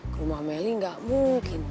ke rumah melly nggak mungkin